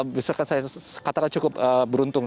misalkan saya katakan cukup beruntung